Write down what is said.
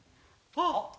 あっ！